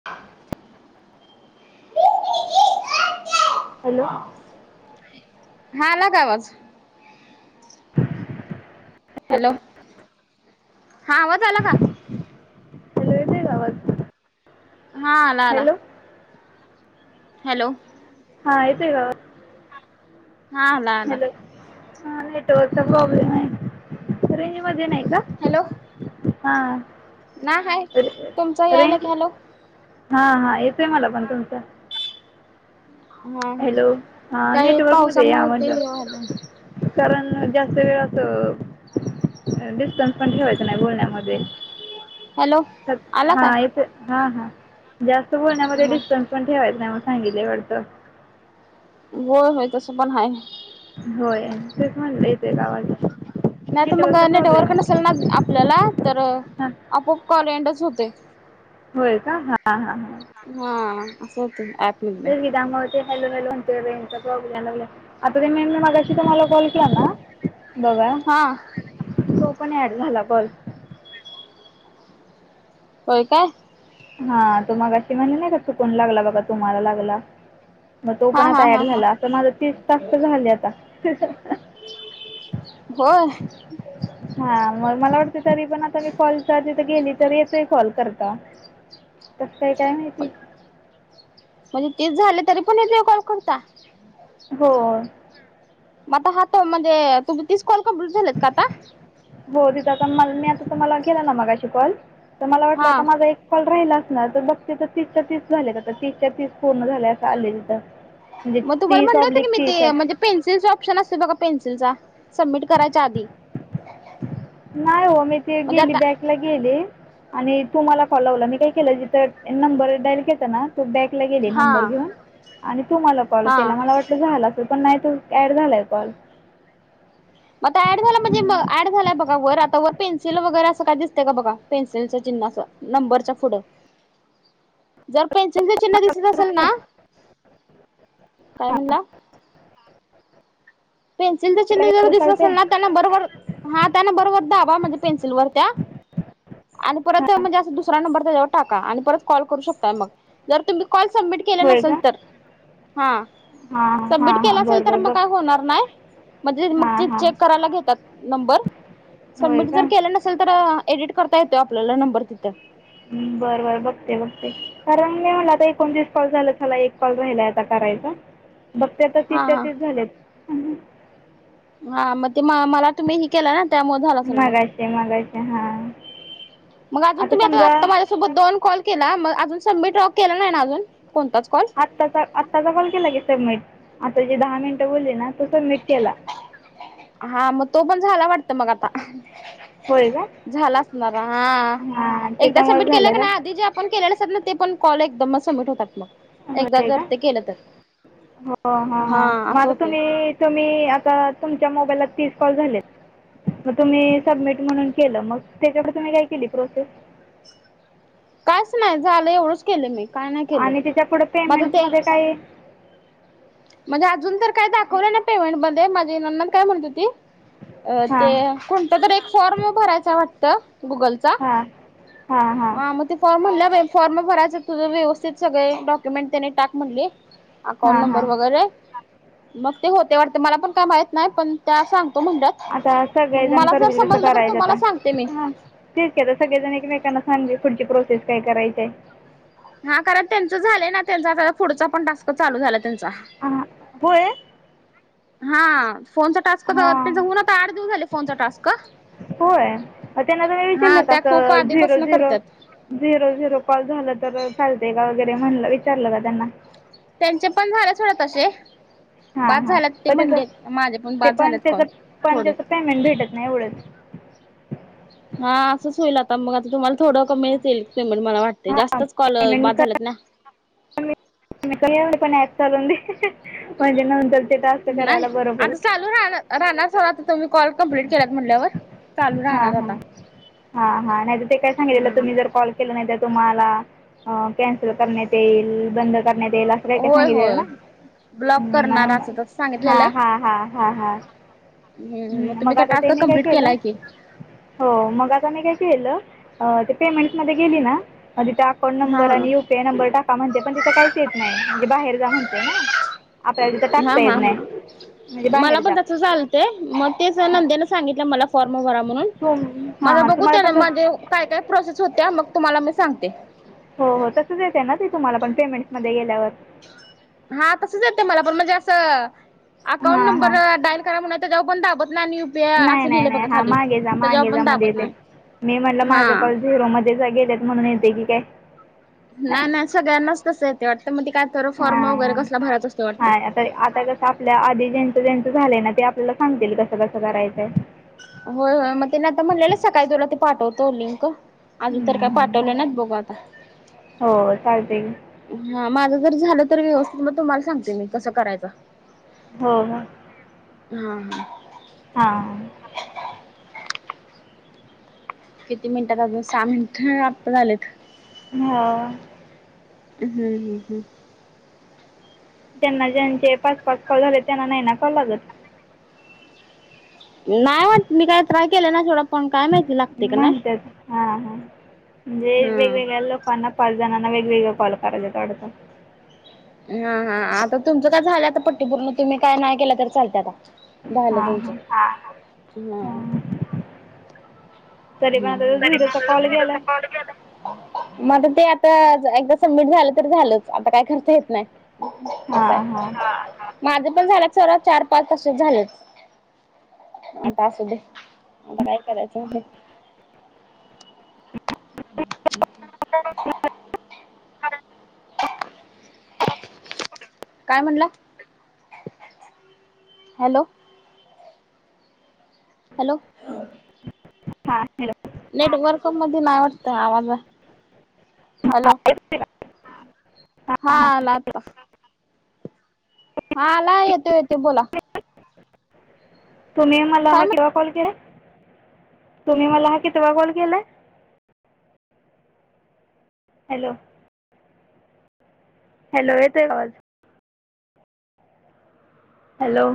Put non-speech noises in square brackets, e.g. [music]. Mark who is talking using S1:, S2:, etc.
S1: [inaudible]
S2: Hello
S1: आ. हाला का आवाज? हॅलो. हा आवाज आला का?
S2: हॅलो, येतोय का आवाज?
S1: हा आला आला.
S2: Hello
S1: hello.
S2: हां येतोय का आवाज?
S1: हा आला आला
S2: हॅलो. हा नेटवर्कचा प्रॉब्लेमे. रेंज मध्ये नाही का?
S1: हॅलो.
S2: हा.
S1: ना हाय. तुमचा यायला की, हॅलो.
S2: हा हा येतोय मला पण तुमचा.
S1: हा हा
S2: हॅलो हा
S1: काही
S2: नेटवर्क मध्ये या
S1: पावसामुळे ते
S2: म्हनलं. कारण जास्त वेळ अस, डिस्टन्स पण ठेवायचं नाही बोलण्यामध्ये.
S1: हॅलो
S2: त
S1: आला
S2: हा
S1: का
S2: येतोय. हा हा. जास्त बोलण्यामध्ये
S1: ह
S2: डिस्टन्स पण ठेवायच नाही म्हणू सांगितलेय वाटतं.
S1: होय होय तसं पण हाय.
S2: होय तेच म्हणलं येतोय का आवाज? नेटवर्कचा प्रॉब्लेमे.
S1: चल माझ आप [unintelligible] आपल्याला तर आपोआप कॉल एंडच होतोय.
S2: होय का? हा हा हा हा.
S1: हा असं होत. ऑप
S2: तेच की, त्यामुळ ते हॅलो हॅलो म्हणते रेंज चा प्रॉब्लेम यायला लागल्या. आता त्यां मेमीन मागाशी तुम्हाला कॉल केला ना बघा.
S1: हा
S2: तो पण ऍड झाला कॉल.
S1: होय काय?
S2: हा तो मगाशी म्हणे नाही का, चुकून लागला बघा तुम्हाला लागला. मग तो
S1: हा
S2: पण
S1: हा
S2: आता
S1: हा
S2: ॲड
S1: हा
S2: झाला. अस माझ तीस टास्क झाले आता.
S1: होय.
S2: हा मग मला वाटतं तरी पण आता मी कॉल [unintelligible] तिथे गेली तरी येतही कॉल करता. कसं काय काय माहिती?
S1: म्हणजे तीस झाले. तरी पण येतोय कॉल करता.
S2: हो
S1: बापा हातो म्हणजे तुम्ही तीस कॉल कम्प्लीट झालेत का आता?
S2: हो तिथ त मल [unintelligible] त मला वाटला
S1: हा.
S2: आता माझा एक कॉल राहिला असणार. त बघते तीसच्या तीस झालेत आता तीसच्या तीस पूर्ण झालेय असा आले तिथं म्हणजे
S1: मग तुम्हाला
S2: तीस
S1: म्हणलं होत
S2: ऑब्लिक
S1: मी
S2: तीस
S1: ते
S2: आहे
S1: म्हणजे पेन्सिलचा ऑप्शन असते बघा पेन्सिलचा सबमिट कराच्या आधी
S2: नाही ओ, मी ते
S1: म्हणजे
S2: गेली
S1: आता
S2: बॅक गेली आणि तु मला कॉल लावला. मी काय केलं जिथं नंबर डाइल केलतं ना, तू बॅकला गेली
S1: हा
S2: नंबर घेऊन आणि तू मला कॉल
S1: हा.
S2: केला. मला वाटलं झाल असलं पण नाही तू ॲड झाला आहे कॉल.
S1: मग का ॲड झाला म्हणजे म ॲड झालाय बघा वर आता वर पेन्सिल वगैरे असं काय दिसते का बघा पेन्सिलचं चिन्ह असं. नंबरच्या पुढं, जर पेन्सिलचे चिन्ह दिसत असेल ना, काय
S2: हां
S1: म्हणला? पेन्सिलच
S2: बॅकला
S1: चिन्ह जर
S2: गेलं
S1: दिसलं
S2: चालते
S1: असेल ना, त्या नंबर वर हा त्या नंबर वर दाबा म्हणजे पेन्सिलवर त्या आणि परत
S2: हां
S1: म्हणजे अस दुसरा नंबर त्याच्यावर टाका. आणि परत कॉल करू शकताय मग. जर तुम्ही कॉल सबमिट केलं
S2: होय
S1: नसेल
S2: का
S1: तर, हा,
S2: हां
S1: सबमिट
S2: हां
S1: केला
S2: हां
S1: असेल
S2: बरं
S1: तर
S2: बरं
S1: मग
S2: बघ
S1: काय होणार नाही. म्हणजे मग
S2: हां
S1: ते
S2: हां
S1: चेक करायला घेतात नंबर,
S2: होय
S1: सबमिट जर
S2: का
S1: केलं न सल तर, एडिट करता येतो आपल्याला नंबर तिथं.
S2: बरं बरं बघते बघते, कारण मी म्हणलं आता एकोणतीस कॉल झालेत. झाला एक कॉल राहिला आता करायचा. बघते आता
S1: हा
S2: तीसच्या
S1: हा
S2: तीस झालेत.
S1: हा, म ते म मला तुम्ही केला न, त्यामुळे झाला असेल मग,
S2: मघाशी मघाशी हां
S1: मग अजून तुम्ही आता आता सोबत दोन कॉल केला. मग अजून सबमीट तवा केला नाही ना अजून कोणताच कॉल.
S2: आत्ताचा आत्ताचा कॉल केला की सबमीट. आता जी दहा मिनटं बोलली ना, तो सबमिट केला.
S1: हा, मग तो पण झाला वाटत मग आता
S2: होय का
S1: झाला असणार हा,
S2: हां
S1: एकदा
S2: त्याच्यामुळे
S1: सबमिट केलं का
S2: झालं
S1: नाही आधी जे [unintelligible] ते पण कॉल एकदम सबमिट होतात मग. एकदा जर
S2: [unintelligible] हो
S1: ते केलं तर
S2: हा हा, मग
S1: असं
S2: आता
S1: होतंय.
S2: तुम्ही तुम्ही आता तुमच्या मोबाईल ला तीस कॉल झालेत. मग तुम्ही सबमिट म्हणून केलं मग, त्याच्याकड तुम्ही काय केली प्रोसेस?
S1: कायच नाही, झालं एवढंच केलं मी. काय नाही केलं.
S2: आणि त्याच्या पुढं
S1: मग आता ते
S2: पेमेंट्समध्ये काही
S1: म्हणजे अजून तर काय दाखवलं नाय पेमेंट मध्ये, माझी नणंद काय म्हणत होती. अ ते
S2: हां
S1: कोणतं तरी एक फॉर्म भरायचा वाटतं गुगलचा
S2: हां हां हां,
S1: हा मग ते फॉर्म म्हणल्या बाई, फॉर्म भरायचं तुझं व्यवस्थित सगळे डॉक्युमेंट त्यांनी टाक म्हणली. अकाउंट
S2: हां
S1: नंबर
S2: हां
S1: वगैरे, मग ते होते वाटते. मला पण काय माहीत नाही. पण त्या सांग तो म्हणल्यात.
S2: आता
S1: मग
S2: सगळेजण
S1: मला जर
S2: करतील
S1: समजलं तर तुम्हाला सांगते मी.
S2: तेचकी आता सगळेजण एकमेकांना सांगेल पुढची प्रोसेस काय करायची आहे.
S1: हा कारण त्यांच झालंय ना, त्यांचा आता पुढचा पण टास्क चालू झाला त्यांचा.
S2: हां होय.
S1: हा फोनचा टास्क
S2: हां
S1: होऊन, आता आठ दिवस झाले फोनचा टास्क.
S2: होय, त्यांना तुम्ही
S1: हा
S2: विचारलं
S1: त्या खूप
S2: कासं झिरो
S1: आधीपासन
S2: झिरो.
S1: करत्यात.
S2: झिरो झिरो कॉल झालं तर चालतय का, वगैरे म्हणलं विचारलं का त्यांना?
S1: त्यांचे पन झाले थोडं तसे.
S2: हां
S1: बाद
S2: हां
S1: झाल्यात ते
S2: पण त्याचं
S1: म्हणले, माझे पण
S2: ते
S1: बाद झालेत कॉल
S2: त्याचं पण
S1: थोडे.
S2: त्याचं पेमेंट भेटत नाही एवढंच.
S1: हा असंच होईल, आता मग आता तुम्हाला थोडं कमी मिळेल पेमेंट, मला वाटते
S2: हां
S1: जास्तच कॉल बाद
S2: पेमेंट
S1: झालेत ना.
S2: पणेल पण जेना म्हनल ते टास्क. [inaudible]
S1: नाही,
S2: बरं पडेल
S1: आता चालू राहला सवात तुम्ही कॉल कम्प्लीट केल्यात म्हणल्यावर चालू राहणार आता.
S2: हा हा, नाही तर ते काय सांगितलेलं तुमही जर कॉल केल नाहीतर तुम्हाला कॅन्सल करण्यात येईल, बंद करण्यात येईल आसं. तुला एकदा
S1: होय
S2: सांगितलेल ना.
S1: होय ब्लॉक करणार
S2: म
S1: असं तसं
S2: हा
S1: सांगितलेलं.
S2: हा हा हा हा. हम्म,
S1: तुम्ही
S2: मग
S1: काय
S2: आता
S1: टास्क
S2: त्यांनी काय
S1: कंप्लीट
S2: केलं?
S1: केलाय की.
S2: हो, मग आता मी काय केलं, ते पेमेंट मध्ये गेली ना फोन
S1: हा
S2: नंबर आणि युपीआय नंबर टाका म्हणतय, पण तिंथ काहीच येत नाहीना, म्हणजे बाहेर जा म्हणते ना. आपल्याला तिथ
S1: हा
S2: टाकता येत
S1: हा
S2: नाही, म्हणजे बाहेर जा.
S1: तेच मग. तेच
S2: हां
S1: नंद्याने सांगितलं मला फॉर्म भरा म्हणून,
S2: तुम
S1: माझ
S2: हां हां
S1: बघू
S2: तुम्हाला
S1: त्या
S2: पण तस
S1: माझे काय काय. प्रोसेस होत्या, मग तुम्हाला मी सांगते.
S2: हो हो तसंच येते ना, ते तुम्हाला पण पेमेंट् मध्ये गेल्यावर.
S1: हा तसंच येतय मला पण, म्हणजे असं अकाउंट
S2: हां
S1: नंबर
S2: हां
S1: डायल करा म्हणतं. तजाव कोण दाबत नाही आणि युपीआय
S2: नाही
S1: असं
S2: नाही
S1: लिहिलंय बघा
S2: नाही, हा
S1: खाली.
S2: मागे जा मागे
S1: त्याच्यावर
S2: जा
S1: पण
S2: मध्ये,
S1: दाबत
S2: ते
S1: नाही.
S2: मी म्हटलं माझं
S1: हा.
S2: कॉल झीरो मध्ये घेत्यात म्हणुन येतय की.
S1: नाही नाही सगळ्यांनाच तसं येतय वाटतं, मग ते काय तर फॉर्म वगैरे कसला भरायच असतो वाटतं.
S2: तर आता कसं आपल्या आधी ज्यांचं ज्यांचं झालंय ना, ते आपल्याला सांगतील कसं कसं करायचंय.
S1: होय होय, मग त्याने आता म्हणलेलं सकाळी तुला ते पाठवतो लिंक. अजून तर काय
S2: हं, हं.
S1: पाठवले नाहीत, बघू आता.
S2: हो चालतंय की.
S1: हा माझं जर झालं तर व्यवस्थित तर मग तुम्हाला सांगते मी कसं करायचं.
S2: हो.
S1: हा हा.
S2: हां.
S1: किती मिनिटात हायत आजून सहा मिनिट्त आता झालेत.
S2: हा.
S1: हम्म हम् हम्.
S2: त्यांना ज्यांचे पाच पाच कॉल झालेत, त्यांना नाही ना कॉल लागत.
S1: नाही वाटतं मी काय ट्राय केलं ना सोडा.
S2: म्हणत्यात, हा हा म्हणजे
S1: हा
S2: वेगवेगळ्या लोक ना पाच जणांना वेगवेगळ कॉल करायंच वाटतं.
S1: हा हा आता तुमचं काय झालं आता पट्टी पूर्ण तुम्ही काय नाही केलं तररी चालत आता. झालं
S2: हां
S1: तुमच
S2: हां
S1: हा
S2: हां तरी पण आता
S1: तरी
S2: झिरोचा
S1: मझच
S2: कॉल गेला
S1: विरद्ध
S2: आहे
S1: पावड्या गेलाय मग ते आता एकदा सबमिट झाल तरी झालच आता काय करता येत नाही असये
S2: हां हां
S1: माझ पण झाल सर्व चार पाच तसेच झालेत आता असू दे आता काय करायच म आवाज [inaudible] काय म्हणला हॅलो हॅलो
S2: हा हॅलो
S1: नेटवर्क मध्ये नाही वाटत आवाज
S2: हां
S1: हॅलो
S2: येतोय का
S1: हा
S2: हां हां
S1: आला आता हा आला येतो येते बोला
S2: तुम्ही मला
S1: काय
S2: हा
S1: म्हण
S2: केव्हा कॉल केला तुम्ही मला हा कितवा कॉल केलाय? हॅलो हॅलो येतो का आवाज? हॅलो